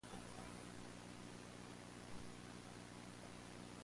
When she was eight, he committed suicide.